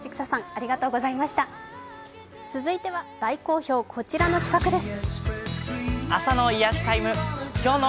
続いては大好評、こちらの企画です。